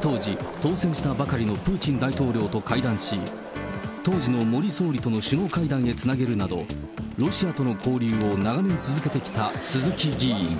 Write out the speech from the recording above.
当時、当選したばかりのプーチン大統領と会談し、当時の森総理との首脳会談へつなげるなど、ロシアとの交流を長年続けてきた鈴木議員。